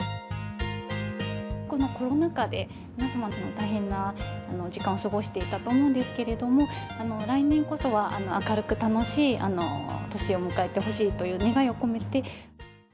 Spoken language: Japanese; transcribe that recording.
このコロナ禍で、皆様、大変な時間を過ごしていたと思うんですけれども、来年こそは、明るく楽しい年を迎えてほしいという願いを込めて。